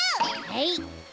はい。